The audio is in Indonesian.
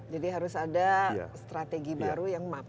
jadi harus ada strategi baru yang maksimal